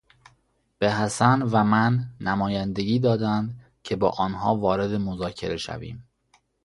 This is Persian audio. به حسن و من نمایندگی دادند که با آنها وارد مذاکره شویم.